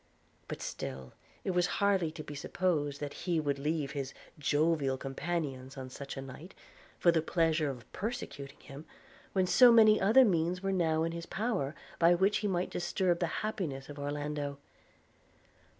But still it was hardly to be supposed that he would leave his jovial companions on such a night for the pleasure of persecuting him, when so many other means were now in his power, by which he might disturb the happiness of Orlando.